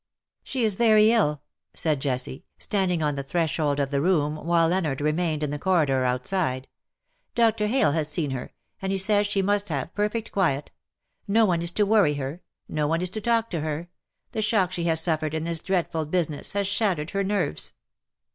'' She is very ill/^ said Jessie, standing on the threshold of the room, while Leonard remained in the corridor outside. " Dr. Hayle has seen her, and he says she must have perfect quiet — no one is to worry her — no one is to talk to her — the shock she has suflPered in this dreadful business has shattered her nerves.''''